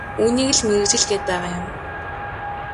Үүнийгээ л мэргэжил гээд байгаа юм.